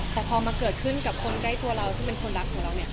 แต่พอมาเกิดขึ้นกับคนใกล้ตัวเราซึ่งเป็นคนรักของเราเนี่ย